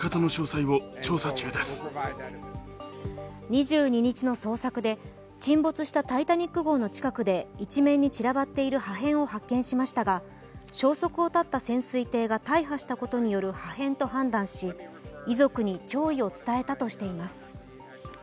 ２２日の捜索で沈没した「タイタニック」号の近くで一面に散らばっている破片を発見しましたが消息を絶った潜水艇が大破したことによる破片と判断し遺族に弔意を伝えたとしています。